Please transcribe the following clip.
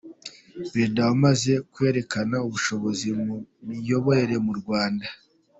Perezida wamaze kwerekana ubushobozi mu miyoborere mu Rwanda.